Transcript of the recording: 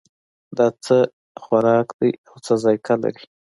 دا څه خوراک ده او څه ذائقه لري